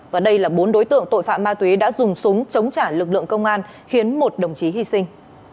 và đây là bốn đối tượng tội phạm ma túy đã dùng súng chống trả lực lượng công an khiến một đồng chí hy sinh